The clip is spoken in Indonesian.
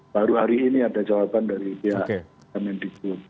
baru hari ini ada jawaban dari pmd